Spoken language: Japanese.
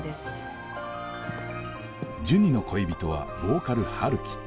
ジュニの恋人はボーカル陽樹。